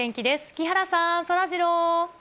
木原さん、そらジロー。